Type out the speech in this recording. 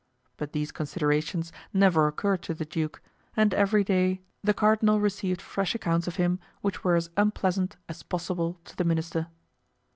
But these considerations never occurred to the duke and every day the cardinal received fresh accounts of him which were as unpleasant as possible to the minister.